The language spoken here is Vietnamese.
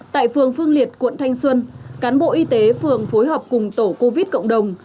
tại phường phương liệt quận thanh xuân cán bộ y tế phường phối hợp cùng tổ covid cộng đồng